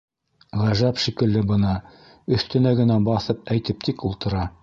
Ғәжәп шикелле бына, өҫтөнә генә баҫып әйтеп тик ултыра.